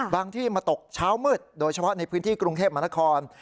ที่มาตกเช้ามืดโดยเฉพาะในพื้นที่กรุงเทพมหานคร